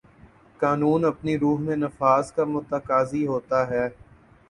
قانون اپنی روح میں نفاذ کا متقاضی ہوتا ہے